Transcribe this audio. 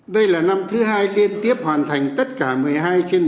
đây là năm thứ hai liên tiếp hoàn thành tất cả một mươi hai trên một mươi hai năm